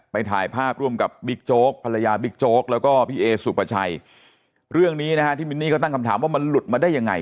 ถ่ายภาพร่วมกับบิ๊กโจ๊กภรรยาบิ๊กโจ๊กแล้วก็พี่เอสุปชัยเรื่องนี้นะฮะที่มินนี่ก็ตั้งคำถามว่ามันหลุดมาได้ยังไง